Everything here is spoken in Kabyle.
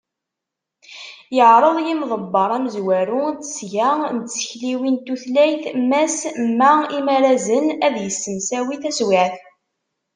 Yeɛreḍ yimḍebber amezwaru n tesga n tsekliwin d tutlayin Mass M. Imarazen ad yessemsawi taswiɛt.